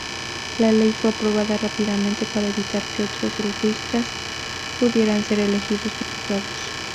La ley fue aprobada rápidamente para evitar que otros huelguistas pudieran ser elegidos diputados.